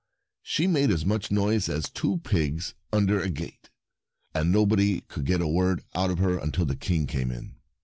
She made as much noise as two pigs under a gate, and nobody could get a word out of her until the King came in.